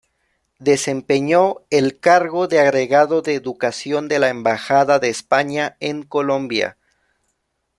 Desempeñó el cargo de agregado de Educación de la Embajada de España en Colombia.